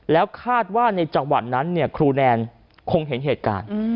แล้วคาดว่าในจังหวะนั้นครูแนนคงเห็นเหตุการณ์